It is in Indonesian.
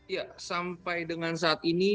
ya sampai dengan saat ini